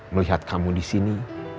melihat kamu disini